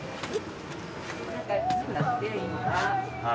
はい。